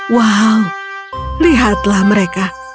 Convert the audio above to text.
wow lihatlah mereka